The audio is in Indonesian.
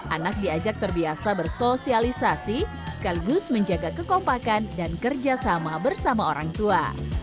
anak diajak terbiasa bersosialisasi sekaligus menjaga kekompakan dan kerjasama bersama orang tua